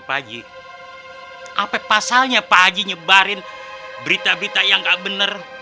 pagi apa pasalnya pak haji nyebarin berita berita yang gak bener